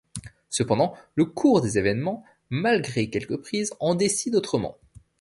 Cependant le cours des événements, malgré quelques prises, en décide autrement.